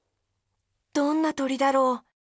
どんなとりだろう？